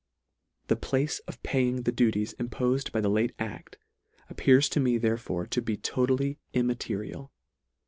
The place of paying the duties impofed by the late adf, appears to me therefore to be totally immaterial.